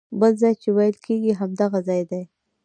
بل ځای چې ویل کېږي همدغه ځای دی.